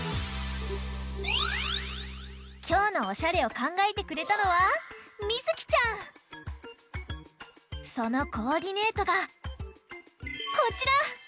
きょうのおしゃれをかんがえてくれたのはそのコーディネートがこちら！